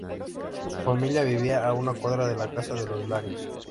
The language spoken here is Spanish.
Su familia vivía a una cuadra de la casa de los Larios.